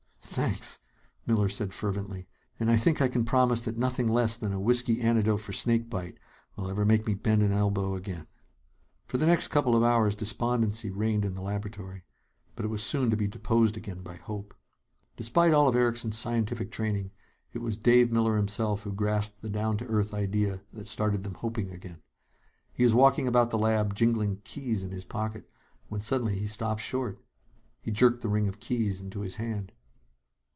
"Thanks!" Miller said fervently. "And I think I can promise that nothing less than a whiskey antidote for snake bite will ever make me bend an elbow again!" For the next couple of hours, despondency reigned in the laboratory. But it was soon to be deposed again by hope. Despite all of Erickson's scientific training, it was Dave Miller himself who grasped the down to earth idea that started them hoping again. He was walking about the lab, jingling keys in his pocket, when suddenly he stopped short. He jerked the ring of keys into his hand.